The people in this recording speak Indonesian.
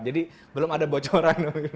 jadi belum ada bocoran